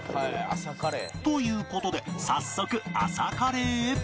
という事で早速朝カレーへ